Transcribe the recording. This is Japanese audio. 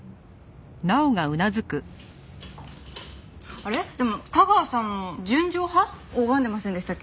あれでも架川さんも『純情派』拝んでませんでしたっけ？